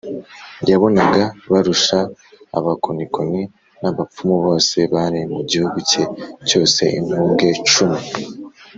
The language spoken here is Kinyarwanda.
, yabonaga barusha abakonikoni n’abapfumu bose bari mu gihugu cye cyose inkubwe cumi